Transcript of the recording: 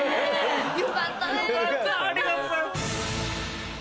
よかったね！